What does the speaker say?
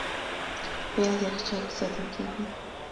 پیاز یخچال کې ساتل کېږي